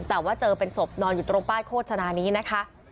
แต่ว่าเจอเป็นศพนอนอยู่ตรงป้ายโฆษณานี้นะคะ